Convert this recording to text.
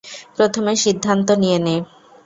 প্রথমে সিদ্ধান্ত নিয়ে নে।